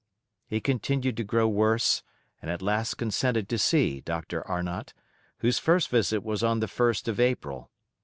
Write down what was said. He continued to grow worse, and at last consented to see Dr. Arnott, whose first visit was on the 1st of April.